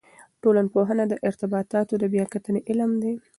ټولنپوهنه د ارتباطاتو د بیا کتنې علم دی.